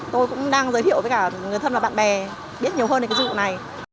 tôi cũng đang giới thiệu với cả người thân và bạn bè biết nhiều hơn về cái dụ này